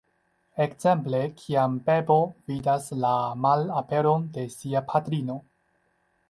Ekzemple kiam bebo vidas la malaperon de sia patrino.